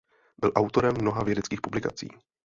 Byl autorem mnoha vědeckých publikací.